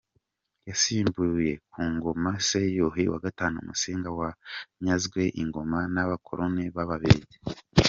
Yasimbuye ku ngoma se Yuhi V Musinga wanyazwe ingoma n’abakoloni b’ababiligi.